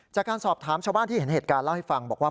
จากการสอบถามชาวบ้านที่เห็นเหตุการณ์เล่าให้ฟังบอกว่า